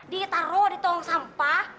ditaro di tong sampah